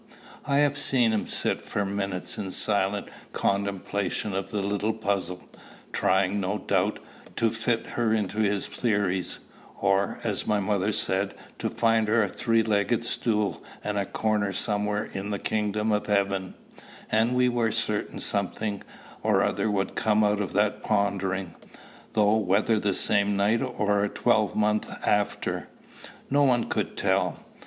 I have seen him sit for minutes in silent contemplation of the little puzzle, trying, no doubt, to fit her into his theories, or, as my mother said, to find her a three legged stool and a corner somewhere in the kingdom of heaven; and we were certain something or other would come out of that pondering, though whether the same night or a twelvemonth after, no one could tell.